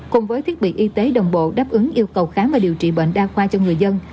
cùng với thiết bị y tế đồng bộ đáp ứng yêu cầu khám và điều trị bệnh đa khoa cho người dân